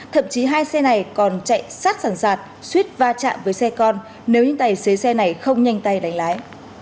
thậm chí hai xe này còn chạy sát sẵn sạt suýt va chạm với xe con nếu những tài xế xe này không nhanh tay đánh lái